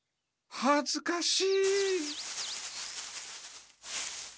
はははずかしい！